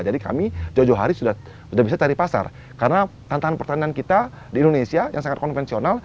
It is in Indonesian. jadi kami jauh jauh hari sudah bisa cari pasar karena tantangan pertanian kita di indonesia yang sangat konvensional